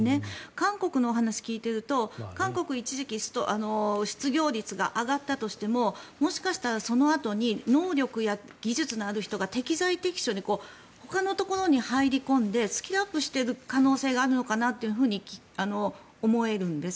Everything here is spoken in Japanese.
韓国のお話を聞いていると韓国は一時期失業率が上がったとしてももしかしたら、そのあとに能力や技術のある人が適材適所にほかのところに入り込んでスキルアップしてる可能性があるのかなって思えるんです。